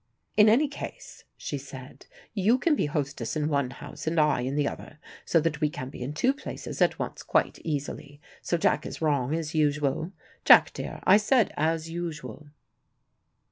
"In any case," she said, "you can be hostess in one house and I, in the other, so that we can be in two places at once quite easily, so Jack is wrong as usual. Jack dear, I said 'as usual.'"